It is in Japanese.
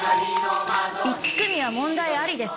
１組は問題ありです。